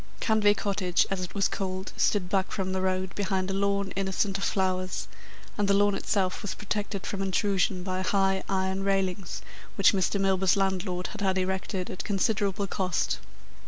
Canvey Cottage, as it was called, stood back from the road, behind a lawn, innocent of flowers, and the lawn itself was protected from intrusion by high iron railings which Mr. Milburgh's landlord had had erected at considerable cost.